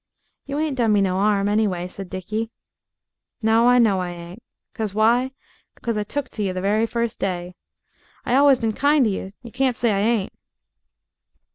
"You ain't done me no 'arm, anyway," said Dickie. "No I know I ain't. 'Cause why? 'Cause I took to you the very first day. I allus been kind to you you can't say I ain't."